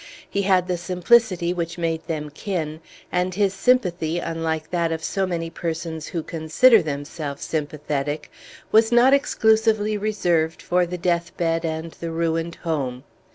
He had the simplicity which made them kin, and his sympathy, unlike that of so many persons who consider themselves sympathetic, was not exclusively reserved for the death bed and the ruined home.